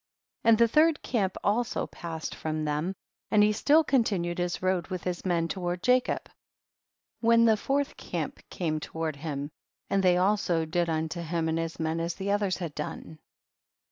38. And the third camp also passed from them, and he still continued his road Avith his men toward Jacob, when the fourth camp came toward him, and they also did unto him and his men as the others had done.